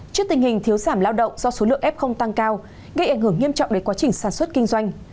trước tình hình thiếu giảm lao động do số lượng f tăng cao gây ảnh hưởng nghiêm trọng đến quá trình sản xuất kinh doanh